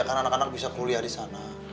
karena anak anak bisa kuliah di sana